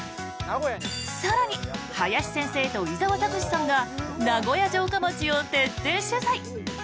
更に、林先生と伊沢拓司さんが名古屋城下町を徹底取材！